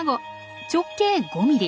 直径５ｍｍ。